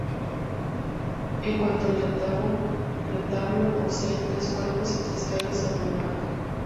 En cuanto al retablo, posee tres cuerpos y tres calles sobre un banco.